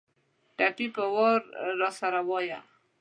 ټپې په وار راسره وايه